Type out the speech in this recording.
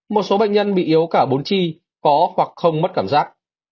một số bệnh nhân bị yếu cả bốn chi có hoặc không mất cảm giác